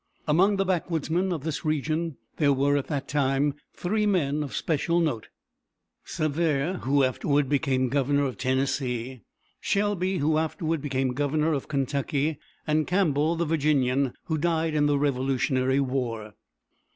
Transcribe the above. Among the backwoodsmen of this region there were at that time three men of special note: Sevier, who afterward became governor of Tennessee; Shelby, who afterward became governor of Kentucky; and Campbell, the Virginian, who died in the Revolutionary War.